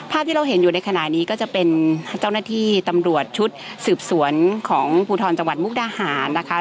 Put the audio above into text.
ภาพที่เราเห็นอยู่ในขณะนี้ก็จะเป็นเจ้าหน้าที่ตำรวจชุดสืบสวนของภูทรจังหวัดมุกดาหารนะคะ